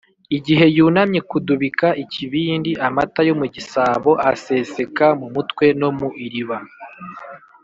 igihe yunamye kudubika ikibindi, amata yo mu gisabo aseseka mu mutwe no mu iriba.